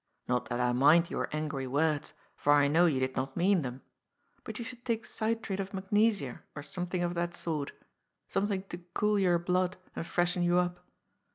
Not that I mind your angry words, for I know you did not mean them. But you should take citrate of magnesia, or something of that sort. Something to cool your blood and freshen you up.